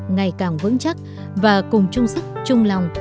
ngày càng vững chắc và cùng chung sức chung lòng